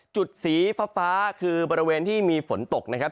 สีฟ้าคือบริเวณที่มีฝนตกนะครับ